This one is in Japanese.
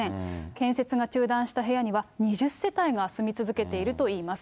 建設が中断した部屋には２０世帯が住み続けているといいます。